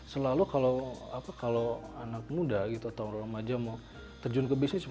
selalu kalau anak muda gitu atau remaja mau terjun ke bisnis